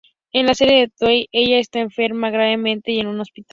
En la serie de Toei, ella está enferma gravemente y en un hospital.